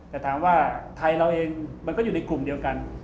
แต่ถามว่าไทยเราเองมันก็อยู่ในกลุ่มเดียวกัน